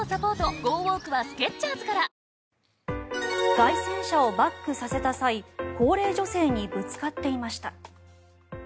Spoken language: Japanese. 街宣車をバックさせた際高齢女性にぶつかっていました。